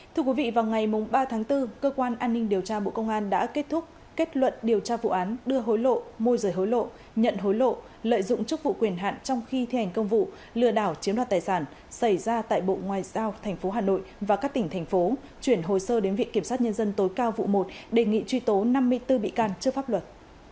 thưa quý vị vào ngày ba tháng bốn cơ quan an ninh điều tra bộ công an đã kết thúc kết luận điều tra vụ án đưa hối lộ môi rời hối lộ nhận hối lộ lợi dụng chức vụ quyền hạn trong khi thi hành công vụ lừa đảo chiếm đoạt tài sản xảy ra tại bộ ngoại giao tp hà nội và các tỉnh thành phố chuyển hồi sơ đến vị kiểm sát nhân dân tối cao vụ một đề nghị truy tố năm mươi bốn bị can trước pháp luật